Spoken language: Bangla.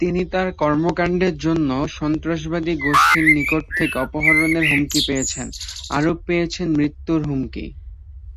তিনি তার কর্মকাণ্ডের জন্য সন্ত্রাসবাদী গোষ্ঠীর নিকট থেকে অপহরণের হুমকি পেয়েছেন, আরো পেয়েছেন মৃত্যুর হুমকি।